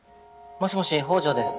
もしもし北條です。